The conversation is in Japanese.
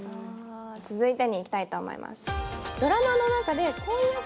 続いてにいきたいと思います